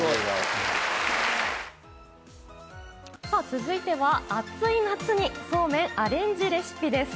続いては、暑い夏にそうめんアレンジレシピです。